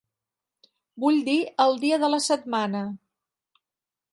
Vull dir el dia de la setmana.